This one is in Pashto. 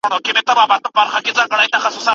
بد اخلاق تل غم زياتوي